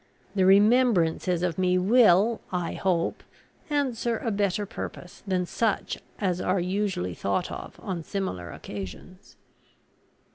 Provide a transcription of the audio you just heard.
The remembrances of me will, I hope, answer a better purpose than such as are usually thought of on similar occasions."